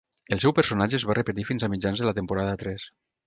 El seu personatge es va repetir fins a mitjans de la temporada tres.